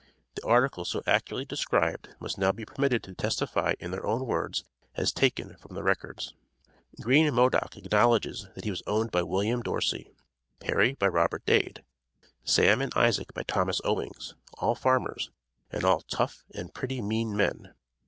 The articles so accurately described must now be permitted to testify in their own words, as taken from the records. Green Modock acknowledges that he was owned by William Dorsey, Perry by Robert Dade, Sam and Isaac by Thomas Owings, all farmers, and all "tough" and "pretty mean men."